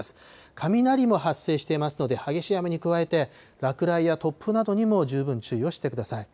雷も発生していますので、激しい雨に加えて、落雷や突風などにも十分注意をしてください。